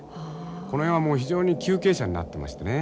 この辺はもう非常に急傾斜になってましてね